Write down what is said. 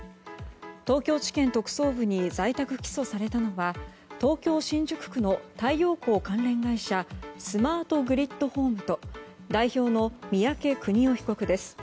東京地検特捜部に在宅起訴されたのは東京・新宿区の太陽光関連会社スマートグリッドホームと代表の三宅邦夫被告です。